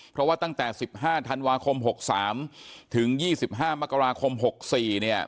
เพราะว่าตั้งแต่สิบห้าธันวาคมหกสามถึงยี่สิบห้ามกราคมหกสี่เนี่ย